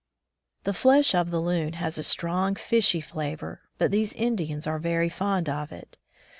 The flesh of the loon has a strong, fishy flavor, but these Indians are very fond of it.